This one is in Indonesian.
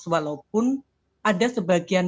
walaupun ada sebagian